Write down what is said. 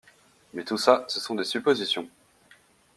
Mais tout ça, ce sont des suppositions.